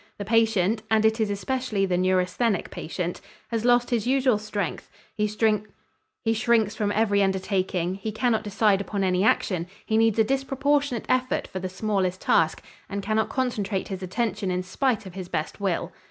The patient and it is especially the neurasthenic patient has lost his usual strength, he shrinks from every undertaking, he cannot decide upon any action, he needs a disproportionate effort for the smallest task, and cannot concentrate his attention in spite of his best will.